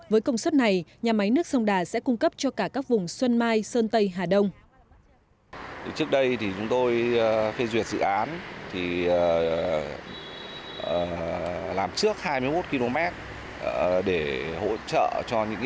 với công suất này nhà máy nước sông đà sẽ cung cấp cho cả các vùng xuân mai sơn tây hà đông